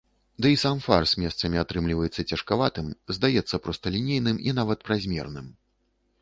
Дый сам фарс месцамі атрымліваецца цяжкаватым, здаецца просталінейным і нават празмерным.